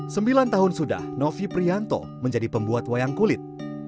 sembilan tahun sudah novi prianto menjadi pembuat wayang kulit